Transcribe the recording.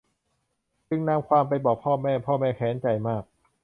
จึงนำความไปบอกพ่อแม่ พ่อแม่แค้นใจมาก